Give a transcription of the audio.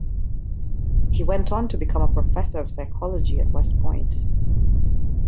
He went on to become a professor of psychology at West Point.